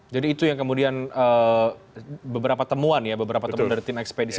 jadi itu yang kemudian beberapa temuan ya beberapa temuan dari tim ekspedisi